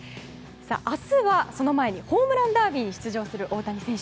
明日は、その前にホームランダービーに出場する大谷選手。